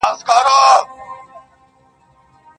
o دا چا ويل چي له هيواده سره شپې نه كوم.